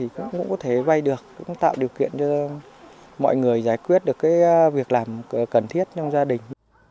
cũng có thể vay được cũng tạo điều kiện cho mọi người giải quyết được việc làm cần thiết trong gia đình